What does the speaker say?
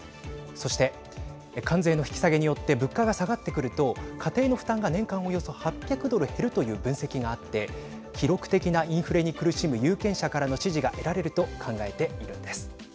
そして、関税の引き下げによって物価が下がってくると家庭の負担が年間およそ８００ドル減るという分析があって記録的なインフレに苦しむ有権者からの支持が得られると考えているんです。